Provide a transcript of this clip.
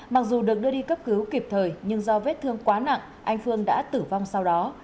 mặc dù được đưa đi cấp cứu kịp thời nhưng do vết thương quá nặng anh phương đã tử vong sau đó